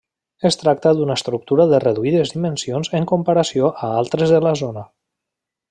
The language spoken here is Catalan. Es tracta d'una estructura de reduïdes dimensions en comparació a altres de la zona.